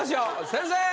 先生！